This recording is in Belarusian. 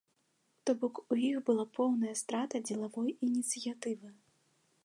То бок, у іх была поўная страта дзелавой ініцыятывы.